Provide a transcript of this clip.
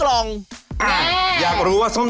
โอ้โฮ